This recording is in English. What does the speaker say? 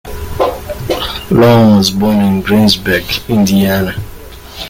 Long was born in Greensburg, Indiana.